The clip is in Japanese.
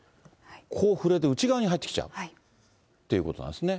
こう振れて、内側に入ってきちゃうということなんですね。